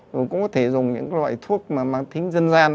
rồi cũng có thể dùng những loại thuốc mà mang tính dân gian